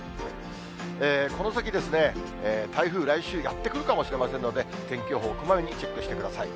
この先、台風、来週やって来るかもしれませんので、天気予報、こまめにチェックしてください。